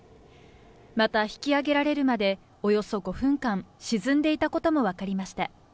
また引き上げられるまで、およそ５分間、沈んでいたこともわかりました。